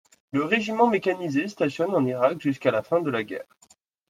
Le régiment mécanisé stationne en Irak jusqu’à la fin de la guerre.